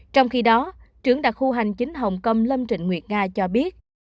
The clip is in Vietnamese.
trong khi đó trưởng đặc khu hành chính hồng kông lâm trịnh nguyệt nga cho biết